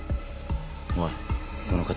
おいこの形。